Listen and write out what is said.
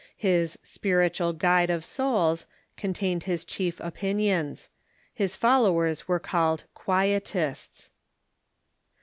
His "Spiritual Guide of Souls" contained his chief opinions. His followers were called Quietists.